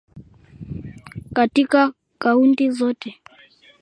katika Kaunti zote